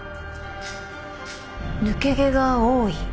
抜け毛が多い。